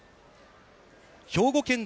兵庫県勢